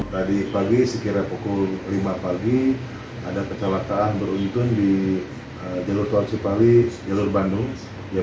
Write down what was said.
tadi pagi sekira pukul lima pagi ada kecelakaan beruntun di jalur tol cipali jalur bandung